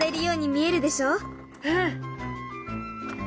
うん。